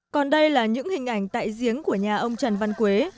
còn đây là những hình ảnh tại giếng của nhà ông trần văn quế